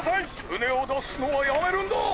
ふねをだすのはやめるんだ！